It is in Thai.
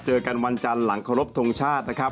เจอกันวันจันทร์หลังเคารพทงชาตินะครับ